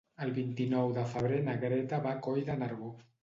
El vint-i-nou de febrer na Greta va a Coll de Nargó.